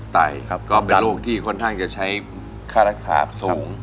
ไตก็เป็นโรคที่ค่อนข้างจะใช้ค่ารักษาสูง